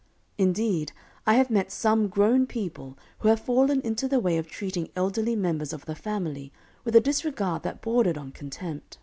Indeed, I have met some grown people who have fallen into the way of treating elderly members of the family with a disregard that bordered on contempt.